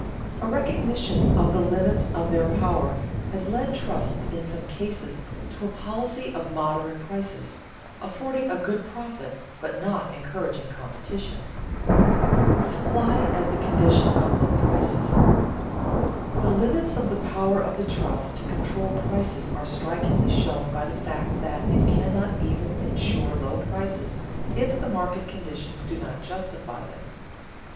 A recognition of the limits of their power has led trusts in some cases to a policy of moderate prices, affording a good profit, but not encouraging competition. [Sidenote: Supply as the condition of low prices] The limits of the power of the trust to control prices are strikingly shown by the fact that it cannot even insure low prices if the market conditions do not justify them.